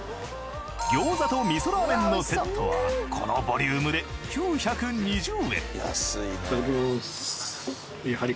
餃子と味噌ラーメンのセットはこのボリュームで９２０円！